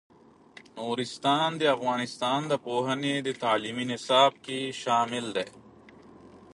نورستان د افغانستان د پوهنې په تعلیمي نصاب کې شامل دی.